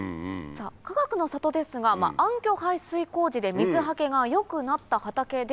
かがくの里ですが暗渠排水工事で水はけが良くなった畑ですが。